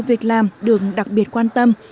việc làm được đặc biệt quan tâm